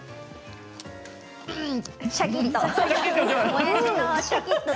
シャキッと。